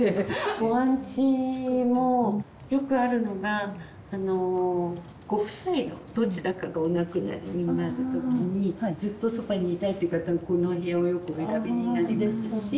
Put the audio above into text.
ご安置もよくあるのがあのご夫妻のどちらかがお亡くなりになる時にずっとそばにいたいって方はこのお部屋をよくお選びになりますし。